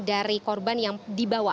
dari korban yang dibawa